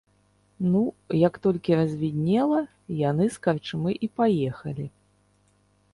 Ну, як толькі развіднела, яны з карчмы і паехалі.